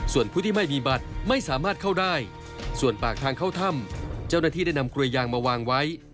ส่วนผู้ที่ไม่มีบัตรไม่สามารถเข้าได้ส่วนปากทางเข้าถ้ำเจ้าหน้าที่ได้นำกลวยยางมาวางไว้